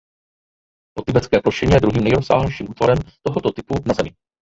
Po Tibetské plošině je druhým nejrozsáhlejším útvarem tohoto typu na Zemi.